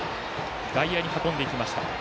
外野に運んでいきました。